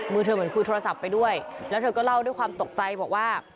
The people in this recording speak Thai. เธอเหมือนคุยโทรศัพท์ไปด้วยแล้วเธอก็เล่าด้วยความตกใจบอกว่า